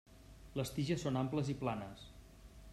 Les tiges són amples i planes.